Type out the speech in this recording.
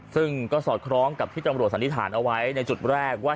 ซึ่งก็สอดคล้องกับที่ตำรวจสันนิษฐานเอาไว้ในจุดแรกว่า